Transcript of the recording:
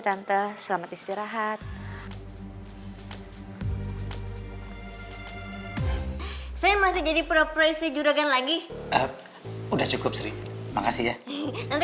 tante selamat istirahat saya masih jadi pro profesi juragan lagi udah cukup sih makasih ya nanti